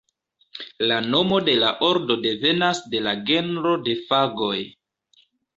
La nomo de la ordo devenas de la genro de Fagoj.